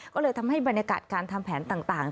ก็เลยทำให้บรรยากาศการทำแผนต่าง